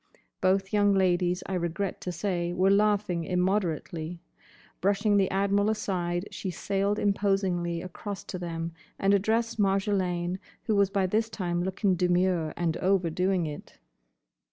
Both young ladies, I regret to say, were laughing immoderately. Brushing the Admiral aside, she sailed imposingly across to them and addressed Marjolaine, who was by this time looking demure, and overdoing it.